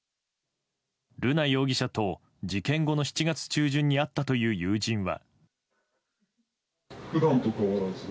瑠奈容疑者と事件後の７月中旬に会ったという友人は。